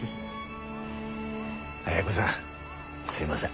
亜哉子さんすみません